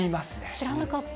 知らなかった。